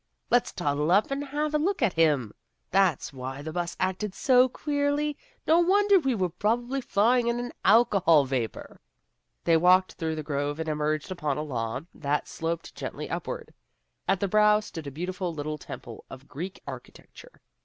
Let's toddle up and have a look at him. That's why the bus acted so queerly. No wonder: we were probably flying in alcohol vapor." They walked through the grove and emerged upon a lawn that sloped gently upward. At the brow stood a beautiful little temple of Greek architecture.